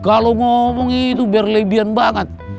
kalau ngomong itu berlebihan banget